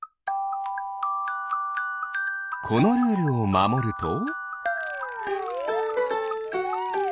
このルールをまもると。